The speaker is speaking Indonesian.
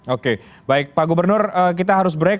oke baik pak gubernur kita harus break